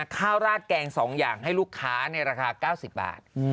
ราดแกง๒อย่างให้ลูกค้าในราคา๙๐บาท